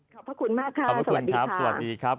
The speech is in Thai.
ขอบคุณมากค่ะสวัสดีครับ